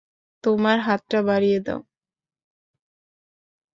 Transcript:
তোমার হাতটা বাড়িয়ে দাও!